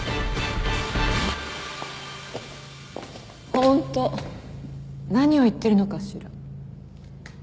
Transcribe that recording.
ホント何を言ってるのかしら。